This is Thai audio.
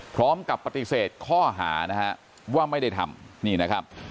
พร้อมกับปฏิเสธข้อหานะฮะว่าไม่ได้ทำนี่นะครับ